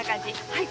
はい。